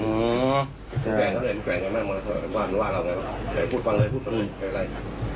พูดฟังเลยพูดฟังเลย